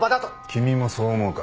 君もそう思うか？